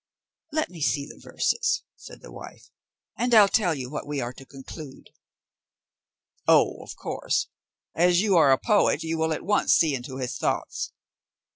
"Let me see the verses," said the wife, "and I'll tell you what we are to conclude." "Oh, of course; as you are a poet you will at once see into his thoughts."